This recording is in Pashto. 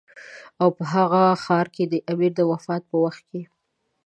او په هغه ښار کې د امیر د وفات په وخت کې.